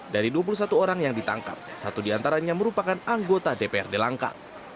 dari dua puluh satu orang yang ditangkap satu di antaranya merupakan anggota dprd langkang